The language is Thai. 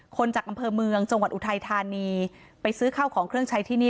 จากอำเภอเมืองจังหวัดอุทัยธานีไปซื้อข้าวของเครื่องใช้ที่นี่